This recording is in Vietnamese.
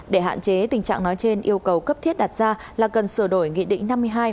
để hạn chế tình trạng nói trên yêu cầu cấp thiết đặt ra là cần sửa đổi nghị định năm mươi hai